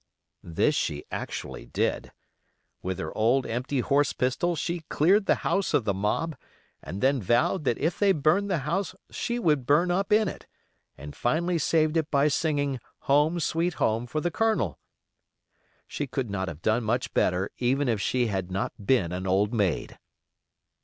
This she actually did. With her old empty horse pistol she cleared the house of the mob, and then vowed that if they burned the house she would burn up in it, and finally saved it by singing "Home, Sweet Home", for the colonel. She could not have done much better even if she had not been an old maid.